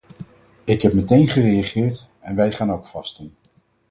Ik heb meteen gereageerd, en wij gaan ook vasten.